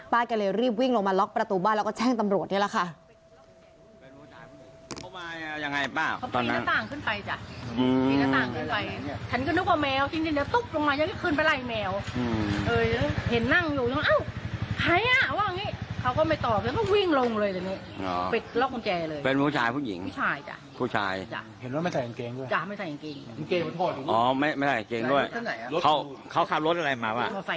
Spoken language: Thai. ก็เลยรีบวิ่งลงมาล็อกประตูบ้านแล้วก็แจ้งตำรวจนี่แหละค่ะ